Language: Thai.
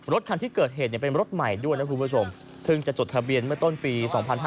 รถทางที่เกิดเหตุเป็นรถใหม่ด้วยนะครับเพิ่งจะจดทะเบียนมาต้นปี๒๕๖๐